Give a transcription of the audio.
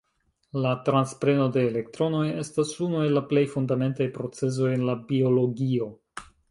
La transpreno de elektronoj estas unu el la plej fundamentaj procezoj en la biologio.